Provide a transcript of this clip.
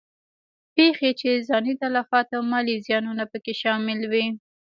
پېښې چې ځاني تلفات او مالي زیانونه په کې شامل وي.